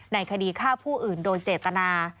ในคดีฆ่าผู้อื่นโดยเจตนา